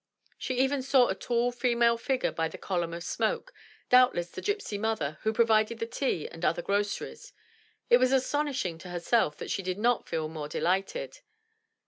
She even saw a tall female figure by the column of smoke, doubtless the gypsy mother who provided the tea and other groceries; it was astonishing to herself that she did not feel more delighted.